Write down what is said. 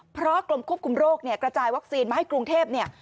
เพราะกรมควบคุมโรคเนี่ยกระจายวัคซีนมาให้กรุงเทพเนี่ย